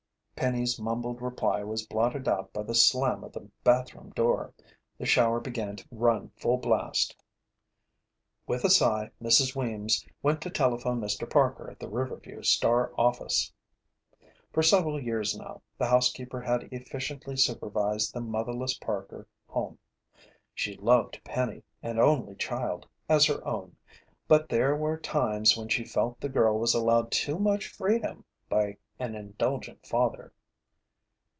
Penny's mumbled reply was blotted out by the slam of the bathroom door. The shower began to run full blast. With a sigh, Mrs. Weems went to telephone Mr. Parker at the Riverview Star office. For several years now, the housekeeper had efficiently supervised the motherless Parker home. She loved Penny, an only child, as her own, but there were times when she felt the girl was allowed too much freedom by an indulgent father.